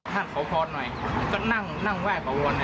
ห้ามขอพรหน่อยก็นั่งไหว้ขอวร